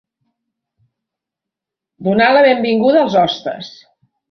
Donar la benvinguda als hostes.